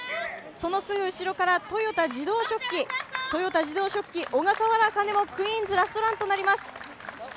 そのすぐ後ろから豊田自動織機、小笠原安香音もクイーンズラストランとなります。